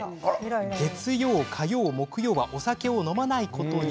月曜、火曜、木曜はお酒を飲まないことに。